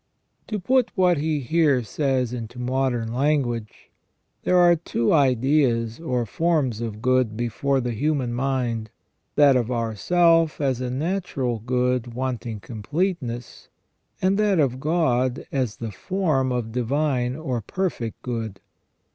To put what he here says into modern language, there are two ideas or forms of good before the human mind, that of ourself as a natural good wanting completeness, and that of God as the form of divine or perfect good.